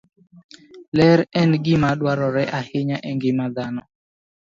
Ler en gima dwarore ahinya e ngima dhano.